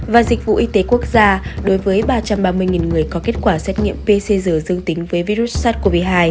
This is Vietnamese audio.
và dịch vụ y tế quốc gia đối với ba trăm ba mươi người có kết quả xét nghiệm pcr dương tính với virus sars cov hai